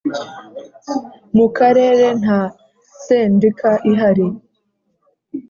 mu Karere nta sendika ihari.